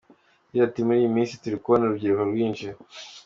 Yagize ati “ Muri iyi minsi turi kubona urubyiruko rwinshi.